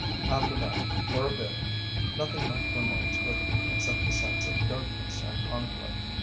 "After that, for a bit, nothing much remains with me except a sense of darkness and of conflict.